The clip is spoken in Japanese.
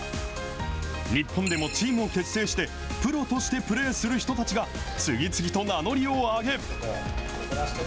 日本でもチームを結成して、プロとしてプレーする人たちが次々と名乗りを上げ。